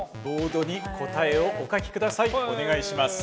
お願いします。